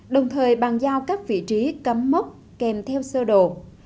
đồng thời bàn giao các vị trí cắm mốc kèm theo sơ đồ